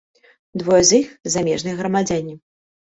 Двое з іх замежныя грамадзяне.